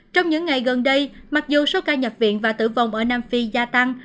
trong những ngày gần đây mặc dù số ca nhập viện và tử vong ở nam phi gia tăng